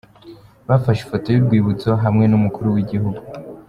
Bafashe ifoto y'urwibutso hamwe n'Umukuru w'Igihugu.